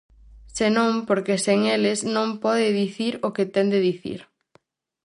Senón porque sen eles non pode dicir o que ten de dicir.